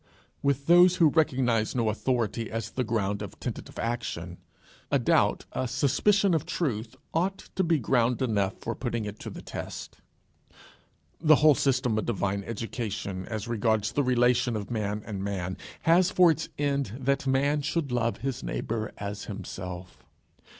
With those who recognize no authority as the ground of tentative action, a doubt, a suspicion of truth ought to be ground enough for putting it to the test. The whole system of divine education as regards the relation of man and man, has for its end that a man should love his neighbour as himself.